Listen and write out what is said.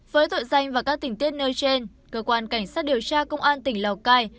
với tội danh và các tình tiết nơi trên cơ quan cảnh sát điều tra công an tỉnh lào cai